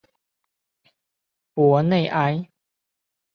博内埃。